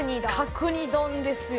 角煮丼ですよ。